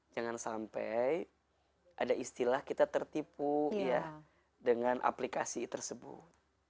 jangan sampai ada istilah kita tertipu ya dengan aplikasi tersebut